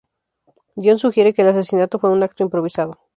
Dión sugiere que el asesinato fue un acto improvisado.